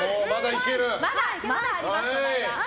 まだあります。